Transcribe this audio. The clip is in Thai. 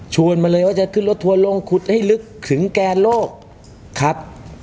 มาเลยว่าจะขึ้นรถทัวร์ลงขุดให้ลึกถึงแกนโลกครับ